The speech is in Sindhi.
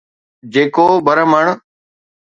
جيڪو برهمڻ